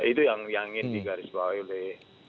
itu yang ingin digarisbawahi oleh